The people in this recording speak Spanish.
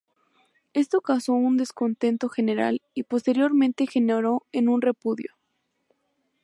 Esto causó un descontento general y posteriormente generó en un repudio.